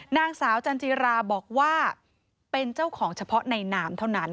นางสาวจันจิราบอกว่าเป็นเจ้าของเฉพาะในนามเท่านั้น